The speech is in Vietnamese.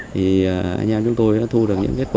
thì anh em chúng tôi đã thu được những kết quả